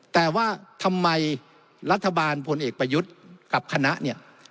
แต่ว่าทำไมรัฐบาลพลเอกประยุทธ์กับคณะเนี่ย